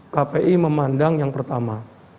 kpi memandang yang pertama